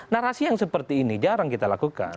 narasi yang seperti ini jarang kita lakukan